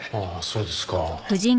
そうですか。